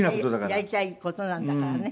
やりたい事なんだからね。